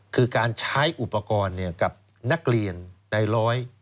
คือการใช้อุปกรณ์กับนักเรียนในร้อย